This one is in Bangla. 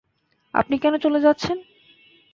আপনি কেন চলে যাচ্ছেন?